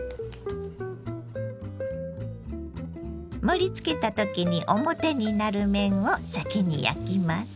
盛りつけた時に表になる面を先に焼きます。